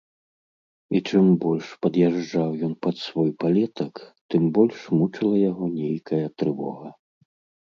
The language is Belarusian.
І чым больш пад'язджаў ён пад свой палетак, тым больш мучыла яго нейкая трывога.